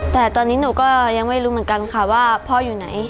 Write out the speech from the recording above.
แต่ตอนนี้หนูก็ยังไม่รู้เหมือนกันค่ะว่าพ่ออยู่ไหน